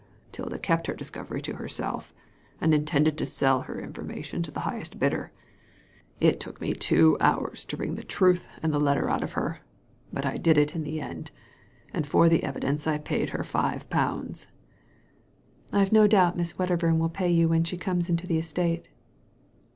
Tilda kept the discovery to herself, and intended to sell her information to the highest bidder. It took me two hours to wring the truth Digitized by Google 256 THE LADY FROM NOWHERE and the letter out of her; but I did in the end, and for the evidence I paid her five pounds." •Tve no doubt Miss Wedderburn will pay you when she comes into the estate."